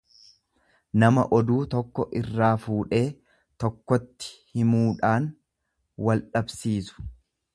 nama oduu tokko irraa fuudhee tokkottti himuudhaan wal dhabsiisu.